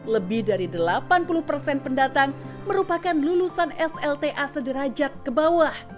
lebih dari delapan puluh persen pendatang merupakan lulusan slta sederajat ke bawah